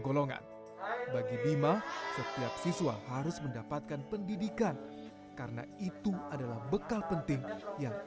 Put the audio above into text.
golongan bagi bima setiap siswa harus mendapatkan pendidikan karena itu adalah bekal penting yang